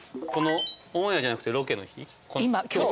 オンエアじゃなくてロケの日？